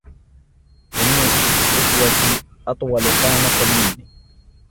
جميع اخوتي أطول قامة مني.